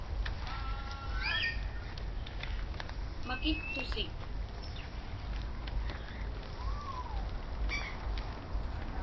Makittusik.